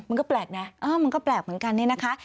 มันก็แปลกนะมันก็แปลกเหมือนกันเนี่ยนะคะ